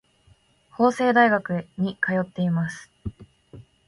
法政大学に通っています。